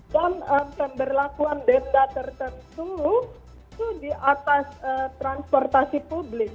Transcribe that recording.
dan pemberlakuan denda tertentu itu di atas transportasi publik